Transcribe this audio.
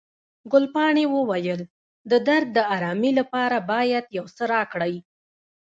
ګلپاڼې وویل، د درد د آرامي لپاره باید یو څه راکړئ.